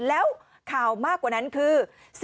แล้วข่าวมากกว่านั้นคือ